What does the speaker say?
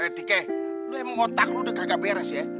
eh tike lo yang ngotak lo udah kagak beres ya